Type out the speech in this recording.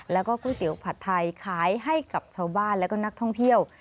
แล้วก็ก๋วยเตี๋ยวผัดไทยขายให้กับชาวบ้านและก็นักท่องเที่ยว